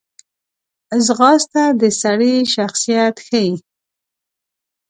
ځغاسته د سړي شخصیت ښیي